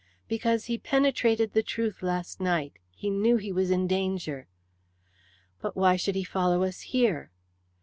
"Because he penetrated the truth last night. He knew he was in danger." "But why should he follow us here?"